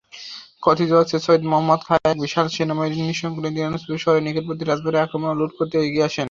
কথিত যে, সৈয়দ মহম্মদ খাঁ এক বিশাল সেনাবাহিনী সঙ্গে নিয়ে দিনাজপুর শহরে নিকটবর্তী রাজবাড়ি আক্রমণ ও লুঠ করতে এগিয়ে আসেন।